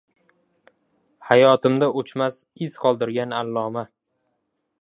Hayotimda o‘chmas iz qoldirgan Alloma...